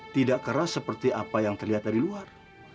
tidak keras seperti apa yang terlihat dari luar